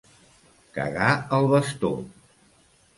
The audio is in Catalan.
Cagar el basto.